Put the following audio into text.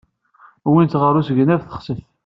Wwin-tt ɣer usegnaf texsef.